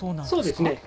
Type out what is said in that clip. そうですね。